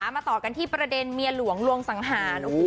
มาต่อกันที่ประเด็นเมียหลวงลวงสังหาร